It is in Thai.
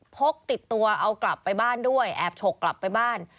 พกติดตัวเอากลับไปบ้านด้วยแอบฉกกลับไปบ้าน